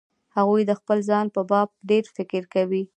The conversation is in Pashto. هغوی د خپل ځان په باب ډېر فکر کوي.